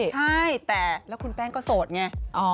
ใช่แต่แล้วคุณแป้งก็โสดไง